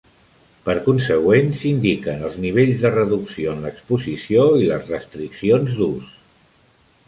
Per consegüent, s'indiquen els nivells de reducció en l'exposició i les restriccions d'ús.